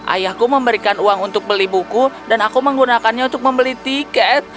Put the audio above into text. ayahku memberikan uang untuk beli buku dan aku menggunakannya untuk membeli tiket